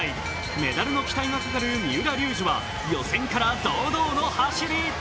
メダルの期待がかかる三浦龍司は予選から堂々の走り。